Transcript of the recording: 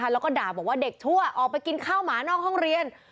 แล้วก็ด่าบอกว่าเด็กชั่วออกไปกินข้าวหมานอกห้องเรียน